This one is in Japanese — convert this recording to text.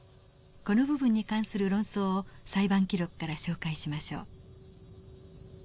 この部分に関する論争を裁判記録から紹介しましょう。